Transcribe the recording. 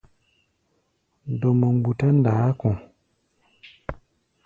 Dɔmɔ mgbutá ndaá kɔ̧.